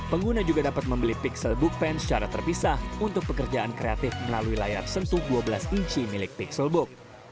pengguna juga dapat membeli pixel book pen secara terpisah untuk pekerjaan kreatif melalui layar sentuh dua belas inci milik pixelbook